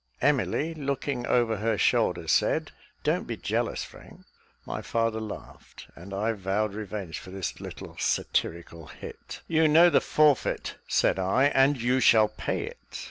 Emily, looking over her shoulder, said, "Don't be jealous, Frank." My father laughed, and I vowed revenge for this little satirical hit. "You know the forfeit," said I, "and you shall pay it."